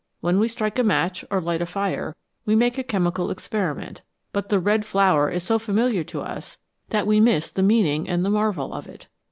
When we strike a match or light a fire we make a chemical experiment, but the " Red Flower " is so familiar to us that we miss the meaning and the marvel of it.